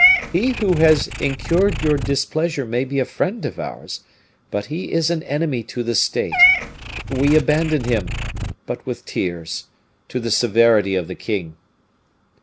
He who has incurred your displeasure may be a friend of ours, but he is an enemy to the state. We abandon him, but with tears, to the severity of the king."